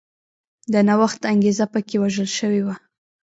د نوښت انګېزه په کې وژل شوې وه.